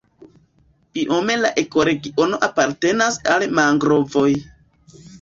Biome la ekoregiono apartenas al mangrovoj.